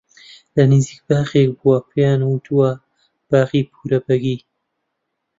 لە نزیک باخێک بووە پێیان وتووە باخی پوورە بەگی